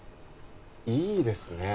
いいですねえ